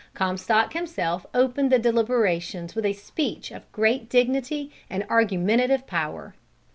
Comstock himself opened the deliberations with a speech of great dignity and argumentative power.